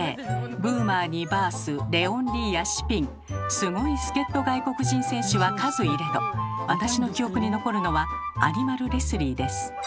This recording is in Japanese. ブーマーにバースレオン・リーやシピンすごい助っ人外国人選手は数いれど私の記憶に残るのはアニマル・レスリーです。